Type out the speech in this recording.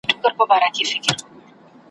شیطان قوي دی د ملایانو `